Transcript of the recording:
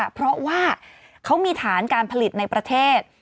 เพราะว่าเขามีฐานการผลิตในประเทศ